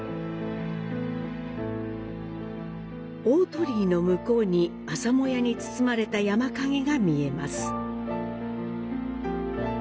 大鳥居の向こうに朝もやに包まれた山影が見えます。